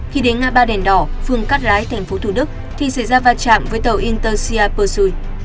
khi đến ngã ba đèn đỏ phường cát lái tp thủ đức thì xảy ra va chạm với tàu intersea pursuit